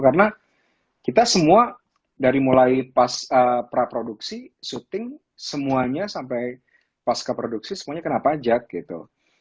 karena kita semua dari mulai pas praproduksi shooting semuanya sampai pas keproduksi semuanya kena pajak gitu